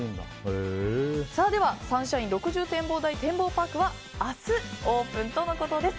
サンシャイン６０展望台てんぼうパークは明日、オープンとのことです。